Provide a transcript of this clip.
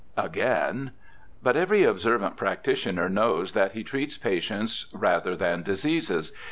Again :' But every observant practitioner knows that he treats patients rather than diseases.